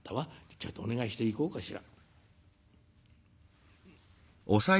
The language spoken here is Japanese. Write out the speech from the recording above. ちょいとお願いしていこうかしら」。